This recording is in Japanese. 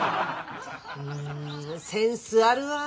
んセンスあるわ。